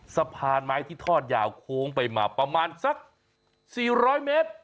สะพานไม้ที่ทอดยาวโค้งไปมาประมาณสัก๔๐๐เมตร